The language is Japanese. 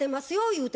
言うて。